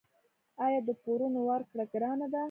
آیا د پورونو ورکړه ګرانه ده؟